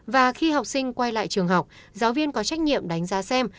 và khi học sinh quay lại trường học giáo viên có trách nhiệm đánh giá xem